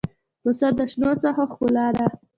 پسه د شنو ساحو ښکلا ده.